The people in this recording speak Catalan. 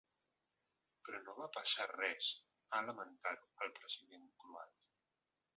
Però no va passar res ha lamentat el president croat.